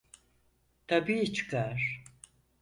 Tabii çıkar.